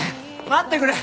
待ってくれ！